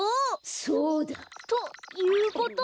そうだ！ということは！